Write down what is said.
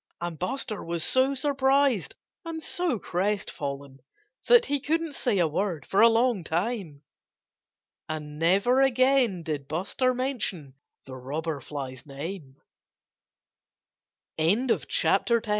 And Buster was so surprised and so crestfallen that he couldn't say a word for a long time. And never again did Buster mention the Robber Fly's name. XI THE DRONE Yes! Buster Bumblebee